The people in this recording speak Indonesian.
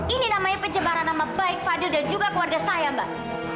ini namanya pencemaran nama baik fadil dan juga keluarga saya mbak